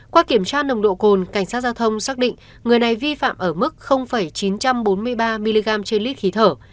qua kiểm tra nồng độ cồn cảnh sát giao thông xác định người này vi phạm ở mức chín trăm bốn mươi ba mg trên lít khí thở